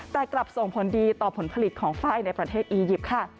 แต่กลับส่งผลดีต่อผลผลิตของไฟล์ในประเทศอียิปต์ค่ะ